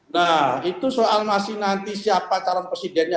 nah itu soal masih nanti siapa calon presidennya